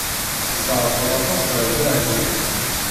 Tzeɛfeḍ aṭas ɣef Dahbiya.